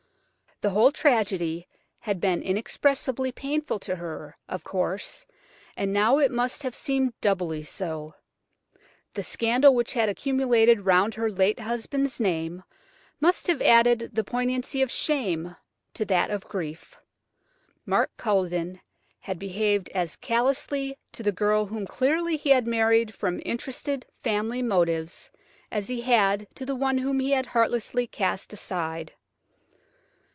The whole tragedy had been inexpressibly painful to her, of course, and now it must have seemed doubly so. The scandal which had accumulated round her late husband's name must have added the poignancy of shame to that of grief. Mark Culledon had behaved as callously to the girl whom clearly he had married from interested, family motives, as he had to the one whom he had heartlessly cast aside.